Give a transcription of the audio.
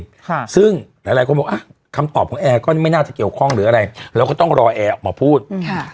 ค่ะซึ่งหลายหลายคนบอกอ่ะคำตอบของแอร์ก็ไม่น่าจะเกี่ยวข้องหรืออะไรเราก็ต้องรอแอร์ออกมาพูดอืมค่ะ